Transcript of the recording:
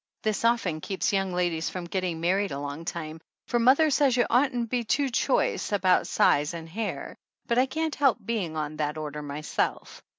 This often keeps young ladies from getting married a long time, for mother says you oughtn't to be too choice about size and hair, but I can't help being on that order myself.